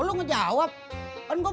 oh lu ngejawab kan gua belum salam